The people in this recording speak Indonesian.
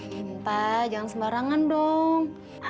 dinta jangan sembarangan dong